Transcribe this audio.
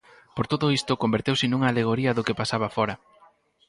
Por todo iso, converteuse nunha alegoría do que pasaba fóra.